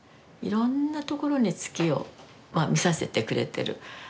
いろんなところに月を見させてくれてる。